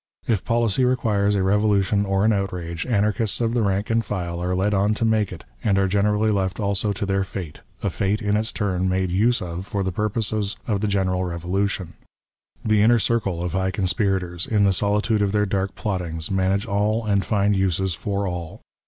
If policy requires a revolution or an outraofC, anarchists of the rank and file are led on to make it ; and are generally left also to their fate — a fate, in its turn, made use of for the purposes of the general Kevolution. The Inner Circle of high conspirators, in the solitude of their dark plottings, manage all and find uses for all.